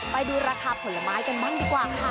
ไปดูราคาผลไม้กันบ้างดีกว่าค่ะ